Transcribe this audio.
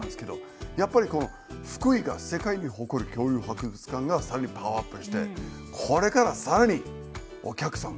やっぱりこの福井が世界に誇る恐竜博物館が更にパワーアップしてこれから更にお客さん